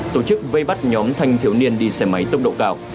tổ chức vây bắt nhóm thanh thiếu niên đi xe máy tốc độ cao